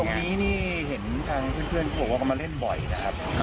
นี้นี่เห็นทางเพื่อนเขาบอกว่าเขามาเล่นบ่อยนะครับ